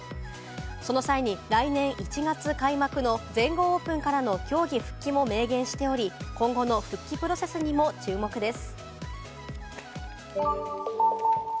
その際に来年１月開幕の全豪オープンからの競技復帰も明言しており、今後の復帰プロセスにも注目です。